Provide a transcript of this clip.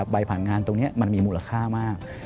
ผ่านงานตรงนี้มันมีมูลค่ามาก